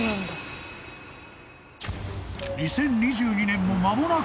［２０２２年も間もなく終わり］